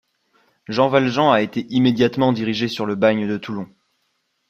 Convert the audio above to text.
Jean Valjean a été immédiatement dirigé sur le bagne de Toulon.